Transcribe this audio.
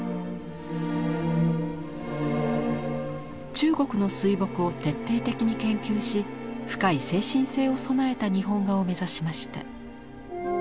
中国の水墨を徹底的に研究し深い精神性を備えた日本画を目指しました。